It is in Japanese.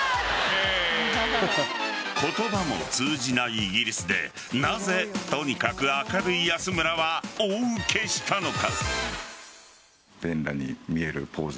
イギリスでなぜ、とにかく明るい安村は大ウケしたのか。